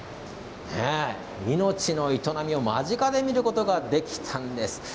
命の営みを間近で見ることができたんです。